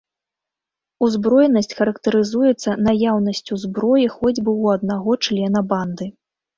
Узброенасць характарызуецца наяўнасцю зброі хоць бы ў аднаго члена банды.